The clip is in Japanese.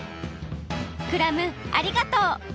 クラムありがとう！